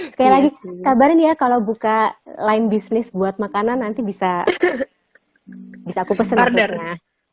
sekali lagi kabarin ya kalau buka line bisnis buat makanan nanti bisa aku pesen langsung